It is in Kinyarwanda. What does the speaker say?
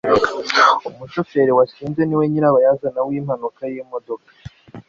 umushoferi wasinze ni we nyirabayazana w'impanuka y'imodoka